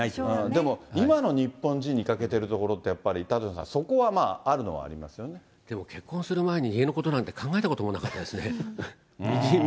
でも今の日本人に欠けてるところって、やっぱり舘野さん、そでも結婚する前に、家のことなんて考えたこともなかったですね。